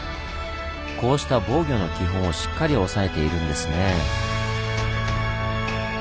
こうした防御の基本をしっかり押さえているんですねぇ。